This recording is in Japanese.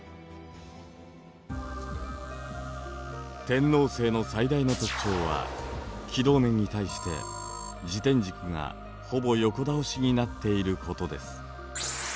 天王星の最大の特徴は軌道面に対して自転軸がほぼ横倒しになっていることです。